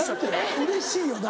うれしいよな。